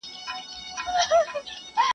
دا هم ستا د میني شور دی پر وطن چي افسانه یم-